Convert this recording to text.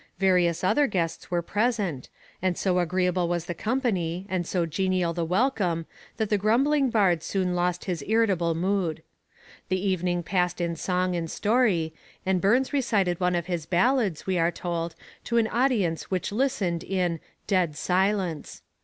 Various other guests were present; and so agreeable was the company and so genial the welcome, that the grumbling bard soon lost his irritable mood. The evening passed in song and story, and Burns recited one of his ballads, we are told, to an audience which listened in 'dead silence.'